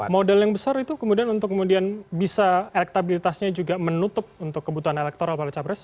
modal yang besar itu kemudian untuk kemudian bisa elektabilitasnya juga menutup untuk kebutuhan elektoral pada capres